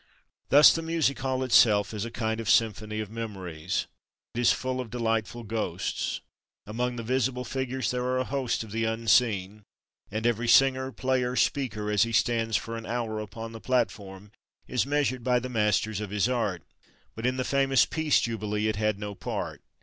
Thus the Music Hall itself is a kind of symphony of memories. It is full of delightful ghosts. Among the visible figures there are a host of the unseen, and every singer, player, speaker, as he stands for an hour upon the platform, is measured by the masters of his art. But in the famous Peace Jubilee it had no part.